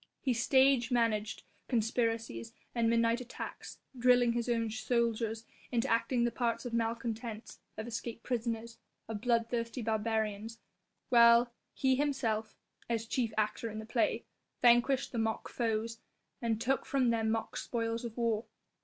He stage managed conspiracies and midnight attacks, drilling his own soldiers into acting the parts of malcontents, of escaped prisoners, of bloodthirsty barbarians, the while he himself as chief actor in the play vanquished the mock foes and took from them mock spoils of war.